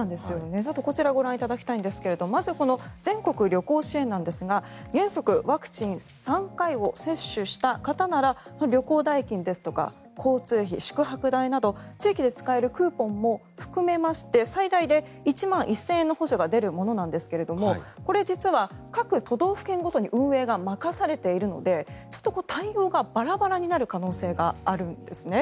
こちらをご覧いただきたいんですがまずこの全国旅行支援なんですが原則ワクチン３回を接種した方なら旅行代金ですとか交通費宿泊代など地域で使えるクーポンも含めまして最大で１万１０００円の補助が出るものなんですがこれ実は各都道府県ごとに運営が任されているのでちょっと対応がバラバラになる可能性があるんです。